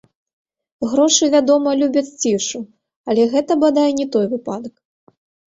Грошы, вядома, любяць цішу, але гэта, бадай, не той выпадак.